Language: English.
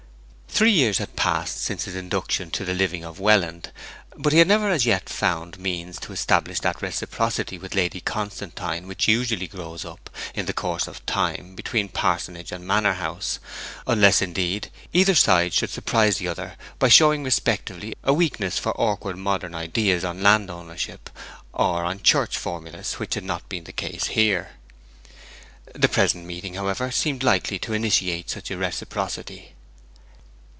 Three years had passed since his induction to the living of Welland, but he had never as yet found means to establish that reciprocity with Lady Constantine which usually grows up, in the course of time, between parsonage and manor house, unless, indeed, either side should surprise the other by showing respectively a weakness for awkward modern ideas on landownership, or on church formulas, which had not been the case here. The present meeting, however, seemed likely to initiate such a reciprocity.